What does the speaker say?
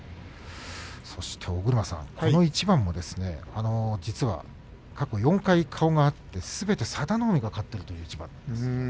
そして尾車さん、この一番は実は過去４回顔が合ってすべて佐田の海が勝っているという一番です。